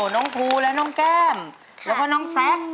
น้องภูและน้องแก้มแล้วก็น้องแซค